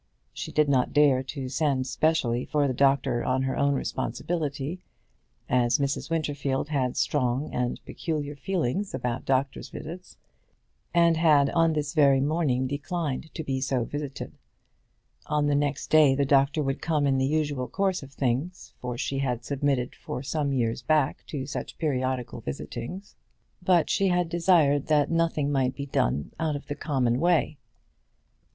She did not dare to send specially for the doctor on her own responsibility, as Mrs. Winterfield had strong and peculiar feelings about doctors' visits, and had on this very morning declined to be so visited. On the next day the doctor would come in the usual course of things, for she had submitted for some years back to such periodical visitings; but she had desired that nothing might be done out of the common way.